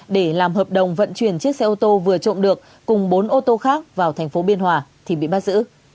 để làm hợp đồng vận chuyển chiếc xe ô tô vừa trộm được cùng bốn ô tô khác vào thành phố biên hòa thì bị bắt giữ